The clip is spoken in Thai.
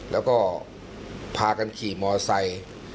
แล้วก็พากันขี่มอไซค์